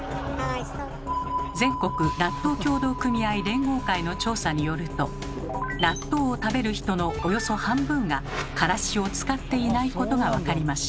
全国納豆協同組合連合会の調査によると納豆を食べる人のおよそ半分がからしを使っていないことが分かりました。